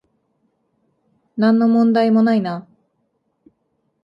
なんの問題もないな